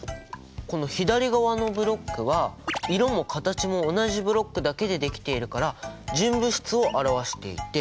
この左側のブロックは色も形も同じブロックだけでできているから純物質を表していて。